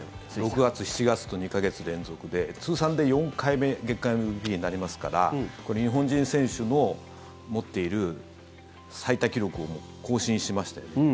６月、７月と２か月連続で通算で４回目月間ＭＶＰになりますからこれ、日本人選手の持っている最多記録をも更新しましたよね。